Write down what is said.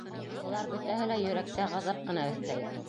Былар бөтәһе лә йөрәккә ғазап ҡына өҫтәй.